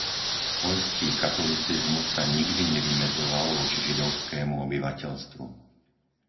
Poľský katolicizmus sa nikdy nevymedzoval voči židovskému obyvateľstvu.